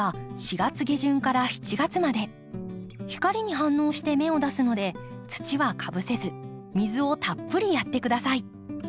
光に反応して芽を出すので土はかぶせず水をたっぷりやって下さい。